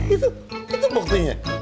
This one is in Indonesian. itu itu poktunya